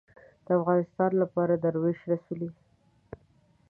د افغانستان لپاره دروېش رسولې